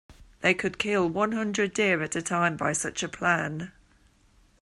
They could kill one hundred deer at a time by such a plan.